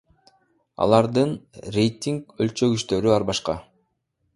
Алардын рейтинг өлчөгүчтөрү ар башка.